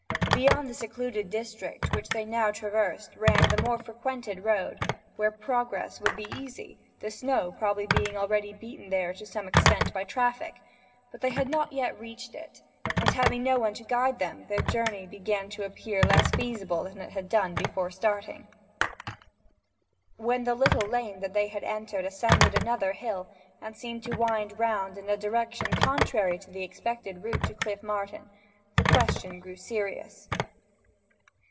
Beyond the secluded district which they now traversed ran the more frequented road, where progress would be easy, the snow being probably already beaten there to some extent by traffic; but they had not yet reached it, and having no one to guide them their journey began to appear less feasible than it had done before starting. When the little lane which they had entered ascended another hill, and seemed to wind round in a direction contrary to the expected route to Cliff Martin, the question grew serious.